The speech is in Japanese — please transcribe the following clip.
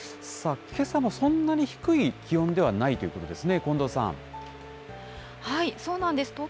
さあ、けさもそんなに低い気温ではないということですね、近藤さそうなんです。